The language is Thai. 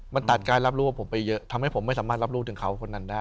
มันตัดการรับรู้ว่าผมไปเยอะทำให้ผมไม่สามารถรับรู้ถึงเขาคนนั้นได้